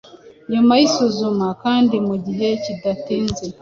nyuma y'isuzuma kandi mu gihe kidatinze.